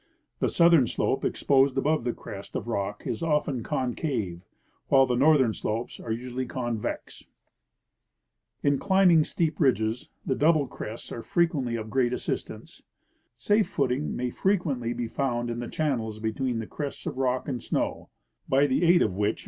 The southern slope exposed above the crest of rock is often con cave, while the northern slopes ai*e usually convex. In climbing steep ridges the double crests are frequently of great assistance. Safe footing may frequently be found in the channels between the crests of rock and snow, by the aid of which 144 I.